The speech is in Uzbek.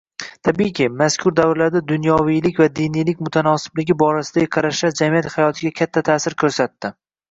Tabiiyki, mazkur davrlarda dunyoviylik va diniylik mutanosibligi borasidagi qarashlar jamiyat hayotiga katta taʼsir koʻrsatdi.